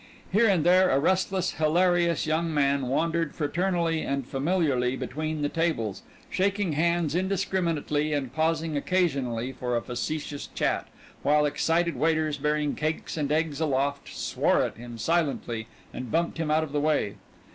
Here and there a restless, hilarious young man wandered fraternally and familiarly between the tables, shaking hands indiscriminately and pausing occasionally for a facetious chat, while excited waiters, bearing cakes and eggs aloft, swore at him silently, and bumped him out of the way.